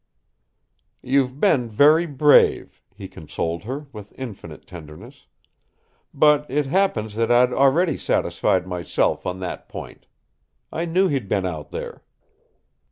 "You've been very brave," he consoled her, with infinite tenderness. "But it happens that I'd already satisfied myself on that point. I knew he'd been out there."